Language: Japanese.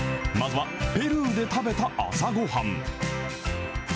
まずは、ペルーで食べた朝ごはん。